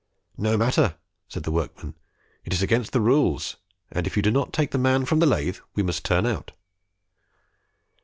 "No matter," said the workmen, "it is against the rules, and if you do not take the man from the lathe, we must turn out."